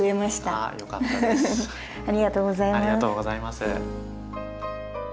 ありがとうございます。